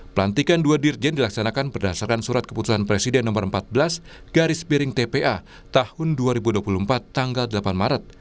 pelantikan dua dirjen dilaksanakan berdasarkan surat keputusan presiden nomor empat belas garis piring tpa tahun dua ribu dua puluh empat tanggal delapan maret